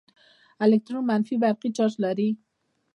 الکترون منفي برقي چارچ لري.